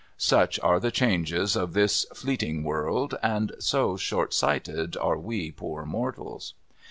Such are the changes of this fleeting world, and so short sighted are we poor mortals